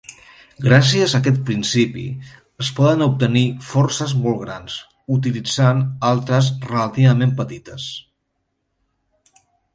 Gràcies a aquest principi es poden obtenir forces molt grans utilitzant altres relativament petites.